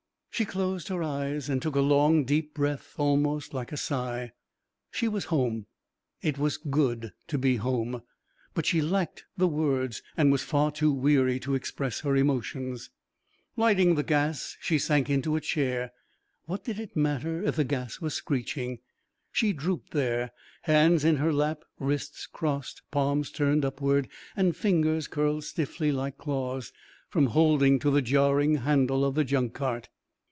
She closed her eyes and took a long deep breath almost like a sigh. She was home. It was good to be home, but she lacked the words and was far too weary to express her emotions. Lighting the gas she sank into a chair. What did it matter if the gas was screeching? She drooped there, hands in her lap, wrists crossed, palms turned upward and fingers curled stiffly like claws from holding to the jarring handle of the junk cart.